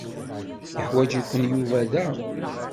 Yeḥwaǧ-iken Yuba da.